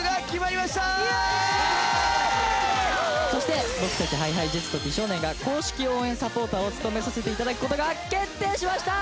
そして僕たちＨｉＨｉＪｅｔｓと美少年が公式応援サポーターを務めさせて頂く事が決定しました！